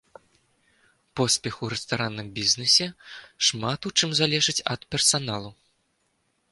Поспех у рэстаранным бізнесе шмат у чым залежыць ад персаналу.